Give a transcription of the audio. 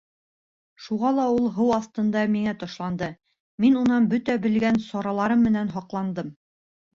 Шуға ла ул һыу аҫтында миңә ташланды, мин унан бөтә белгән сараларым менән һаҡландым.